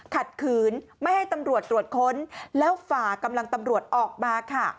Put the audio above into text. ขัดขืนไม่ให้ตำรวจตรวจค้นแล้วฝ่ากำลังตำรวจออกมาค่ะ